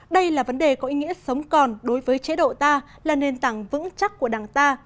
đây là vấn đề có ý nghĩa sống còn đối với chế độ ta là nền tảng vững chắc của đảng ta